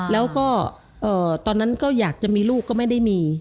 แล้วก็ตอนนั้นก็อยากจะมีลูกก็ไม่ได้มี